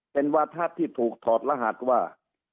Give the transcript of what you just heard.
เป็นวาถะที่ถูกถอดรหัสว่า